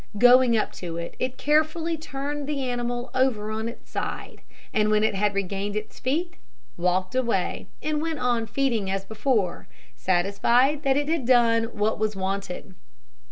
Going up to it, it carefully turned the animal over on its side; and when it had regained its feet, walked away, and went on feeding as before, satisfied that it had done what was wanted.